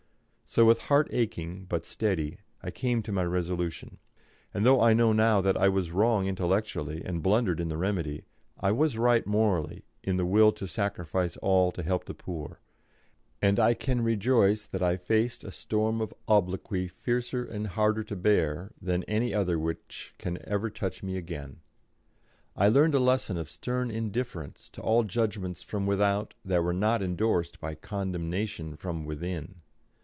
So, with heart aching but steady, I came to my resolution; and though I know now that I was wrong intellectually, and blundered in the remedy, I was right morally in the will to sacrifice all to help the poor, and I can rejoice that I faced a storm of obloquy fiercer and harder to bear than any other which can ever touch me again. I learned a lesson of stern indifference to all judgments from without that were not endorsed by condemnation from within.